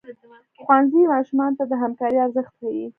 ښوونځی ماشومانو ته د همکارۍ ارزښت ښيي.